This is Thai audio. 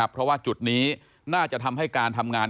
เพราะว่าจุดนี้น่าจะทำให้การทำงาน